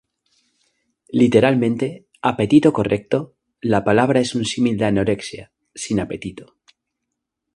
Literalmente 'apetito correcto', la palabra es un símil de "anorexia", 'sin apetito'.